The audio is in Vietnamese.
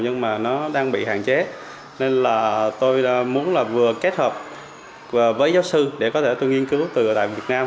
nhưng mà nó đang bị hạn chế nên là tôi muốn là vừa kết hợp với giáo sư để có thể tôi nghiên cứu từ tại việt nam